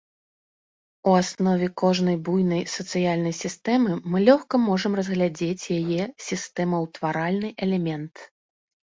У аснове кожнай буйной сацыяльнай сістэмы мы лёгка можам разгледзець яе сістэмаўтваральны элемент.